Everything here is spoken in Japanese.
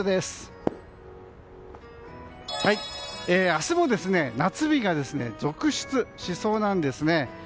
明日も夏日が続出しそうなんですね。